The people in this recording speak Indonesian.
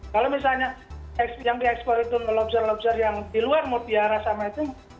kalau misalnya yang diekspor itu lobster lobster yang di luar mutiara sama itu